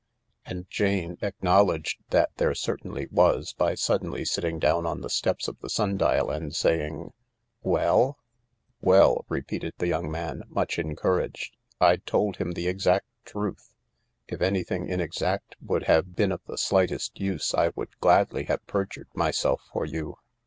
And Jane acknow ledged that there certainly was by suddenly sitting down on the steps of the sundial and saying, " Well ?" jp * jp "Well," repeated the young man, much encouraged, " I told him the exact truth. If anything inexact would have been of the slightest use I would gladly have perjured myself for you.